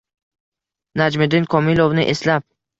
Najmiddin Komilovni eslab